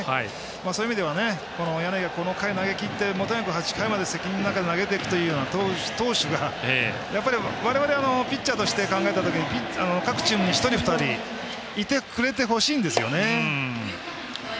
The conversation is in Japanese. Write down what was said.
そういう意味では柳がこの回を投げ切ってとにかく８回まで責任の中で投げきっていくという投手がやっぱり我々ピッチャーとして考えたときに各チームに１人２人いてくれてほしいんですよね。